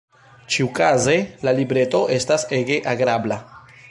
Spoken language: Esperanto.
Ĉiukaze, la libreto estas ege agrabla.